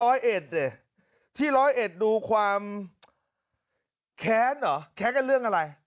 ร้อยเอ็ดดิที่ร้อยเอ็ดดูความแค้นเหรอแค้นกันเรื่องอะไร